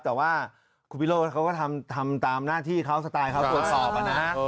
แต่ว่าคุณพีโรเค้าก็ทำทำตามหน้าที่เขาสไตล์เขาตรวจสอบแล้วนะ